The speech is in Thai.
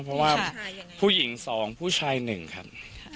เพราะว่าผู้หญิงสองผู้ชายหนึ่งครับ